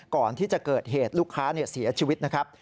ก่อนที่จะเกิดเหตุลูกค้าเสียชีวิตนะครับ